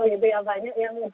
itu yang banyak yang